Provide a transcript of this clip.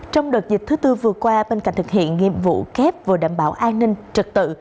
trong đợt dịch thứ tư vừa qua bên cạnh thực hiện nhiệm vụ kép vừa đảm bảo an ninh trật tự